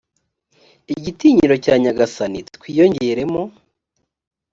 igitinyiro cya nyagasani twiyongeremo